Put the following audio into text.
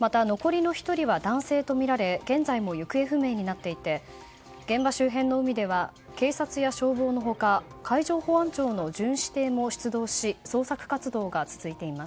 また残りの１人は男性とみられ現在も行方不明になっていて現場周辺の海では警察や消防の他海上保安庁の巡視艇も出動し、捜索活動が進んでいます。